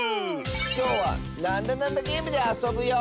きょうは「なんだなんだゲーム」であそぶよ！